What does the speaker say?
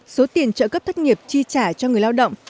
số tiền trợ cấp thất nghiệp chi trả cho người lao động